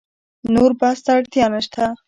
نور بحث ته اړتیا نشته.